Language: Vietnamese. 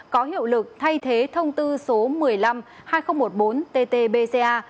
có hiệu lực thay thế thông tư số một trăm năm mươi hai nghìn một mươi bốn ttbca